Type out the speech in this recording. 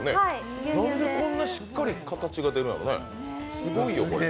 なんで、こんなしっかり形が出るのかね。